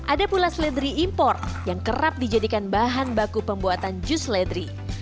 ada pula seledri impor yang kerap dijadikan bahan baku pembuatan jus seledri